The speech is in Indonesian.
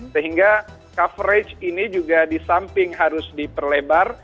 sehingga coverage ini juga di samping harus diperlebar